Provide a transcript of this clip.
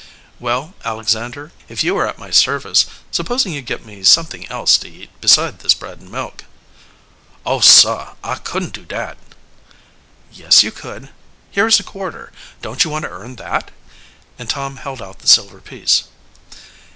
"Well, Alexander, if you are at my service, supposing you get me something else to eat beside this bread and milk." "Oh, sah, I couldn't do dat." "Yes, you could. Here is a quarter. Don't you want to earn that?" And Tom held out the silver piece.